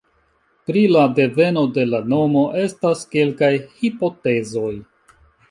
Pri la deveno de la nomo estas kelkaj hipotezoj.